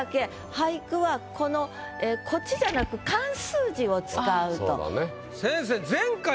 俳句はこのこっちじゃなく漢数字を使うと。